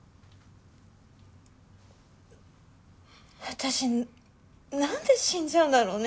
私なんで死んじゃうんだろうね。